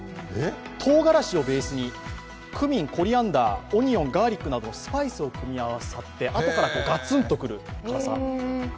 とうがらしをベースにクミン、コリアンダー、オニオン、ガーリックなどスパイスを組み合わせてあとからガツンとくる辛さ。